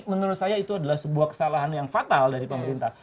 menurut saya itu adalah sebuah kesalahan yang fatal dari pemerintah